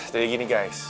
jadi gini guys